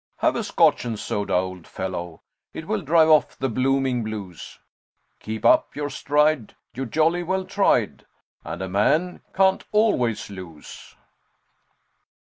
Have a Scotch and soda, old fellow It will drive off the blooming blues; Keep up your stride, you jolly well tried, And a man can't always lose."